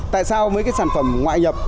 tại sao mấy cái sản phẩm ngoại nhập